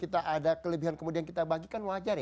kita ada kelebihan kemudian kita bagikan wajar ya